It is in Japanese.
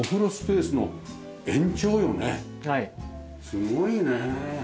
すごいねえ。